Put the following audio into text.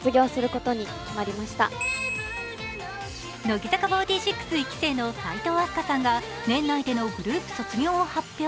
乃木坂４６、１期生の齋藤飛鳥さんが年内でのグループ卒業を発表。